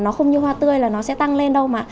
nó không như hoa tươi là nó sẽ tăng lên đâu mà